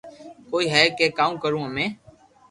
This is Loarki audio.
ڪوئي ھي ڪي ڪاو ڪرو امي